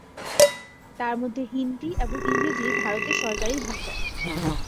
তার মধ্যে হিন্দি এবং ইংরেজি ভারতের সরকারি ভাষা।